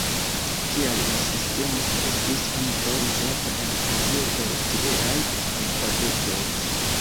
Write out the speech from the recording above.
Tial la sistemo estis ankaŭ uzata en azio por tieaj alfabetoj.